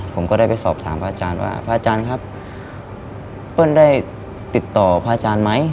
ผมก็ได้ไปสอบถามพระอาจารย์ว่าพระอาจารย์ครับเปิ้ลได้ติดต่อพระอาจารย์ไหม